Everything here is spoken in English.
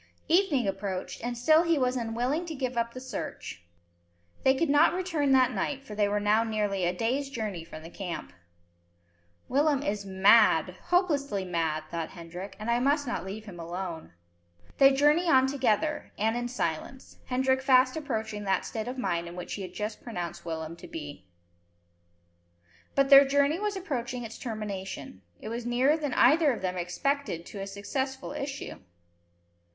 Evening approached, and still was he unwilling to give up the search. They could not return that night, for they were now nearly a day's journey from the camp. "Willem is mad, hopelessly mad," thought Hendrik, "and I must not leave him alone." They journey on together, and in silence, Hendrik fast approaching that state of mind in which he had just pronounced Willem to be. But their journey was approaching its termination. It was nearer than either of them expected to a successful issue.